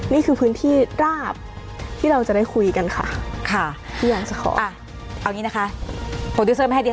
นี่คือพื้นที่ราบที่เราจะได้คุยกันค่ะ